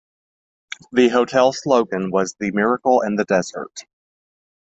The hotel's slogan was "The Miracle in the Desert".